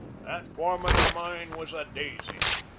That foreman of mine was a daisy.